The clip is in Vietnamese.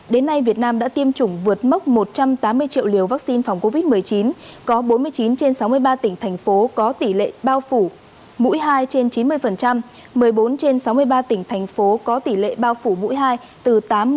đến nay việt nam đã tiêm chủng vượt mốc một trăm tám mươi triệu liều vaccine phòng covid một mươi chín có bốn mươi chín trên sáu mươi ba tỉnh thành phố có tỷ lệ bao phủ